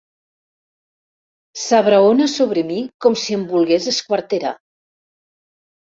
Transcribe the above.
S'abraona sobre mi com si em volgués esquarterar.